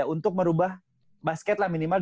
untuk merubah basket lah minimal